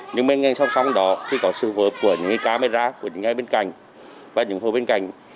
những bệnh nhân song song đó thì có sự phù hợp của những camera của những nhà bên cạnh và những khu bên cạnh